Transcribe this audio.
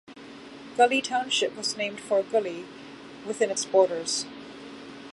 Gully Township was named for a gully within its borders.